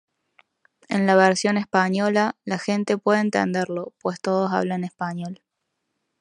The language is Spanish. En la versión española, la gente puede entenderlo pues todos hablan español.